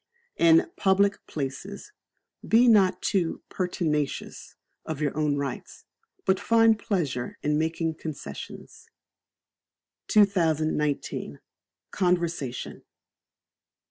In Public Places be not too pertinacious of your own rights, but find pleasure in making concessions. 2019. Conversation.